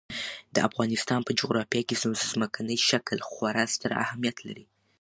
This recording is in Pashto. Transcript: د افغانستان په جغرافیه کې ځمکنی شکل خورا ستر اهمیت لري.